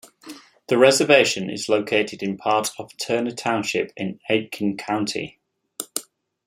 The reservation is located in part of Turner Township in Aitkin County.